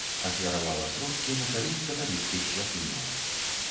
Ахвяравала сродкі на карысць каталіцкіх святыняў.